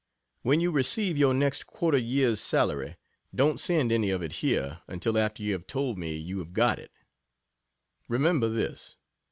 When you receive your next 1/4 yr's salary, don't send any of it here until after you have told me you have got it. Remember this.